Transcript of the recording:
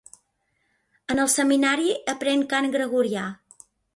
En el seminari aprèn cant gregorià.